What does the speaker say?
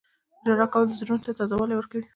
• ژړا کول د زړونو ته تازه والی ورکوي.